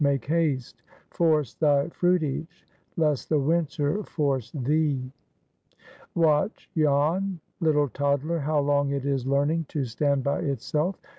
make haste! force thy fruitage, lest the winter force thee. Watch yon little toddler, how long it is learning to stand by itself!